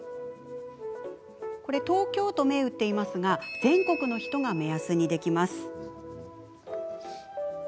東京と銘打っていますが全国の人が目安にできます。